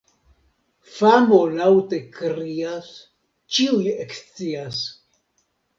Famo laŭte krias, ĉiuj ekscias.